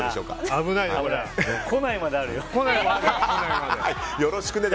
危ないね。